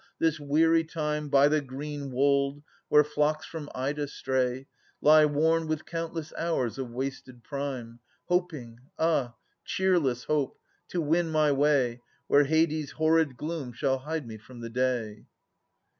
— this weary time, By the green wold where flocks from Ida stray, Lie worn with countless hours of wasted prime. Hoping — ah, cheerless hope! — to win my way Where Hades' horrid gloom shall hide me from the day.